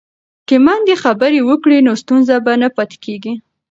که میندې خبرې وکړي نو ستونزه به نه پاتې کېږي.